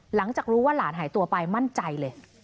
หลังจากรู้ว่าหลานหายตัวไปมั่นใจเลย